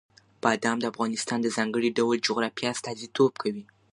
بادام د افغانستان د ځانګړي ډول جغرافیه استازیتوب کوي.